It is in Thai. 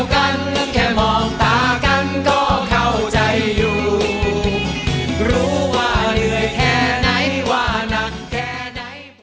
บอกออกอันเดียวเป็นไร